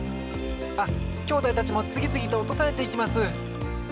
あっきょうだいたちもつぎつぎとおとされていきます！